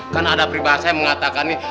kan ada peribahasanya mengatakan nih